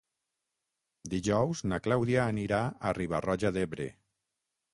Dijous na Clàudia anirà a Riba-roja d'Ebre.